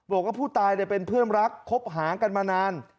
บอกว่าผู้ตายเป็นเพื่อนรักคบหากันมานาน